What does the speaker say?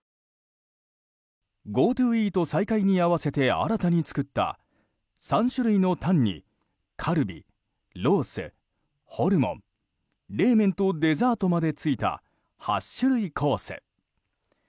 ＧｏＴｏイート再開に合わせて新たに作った３種類のタンに、カルビ、ロースホルモン、冷麺とデザートまでついた８種類コース。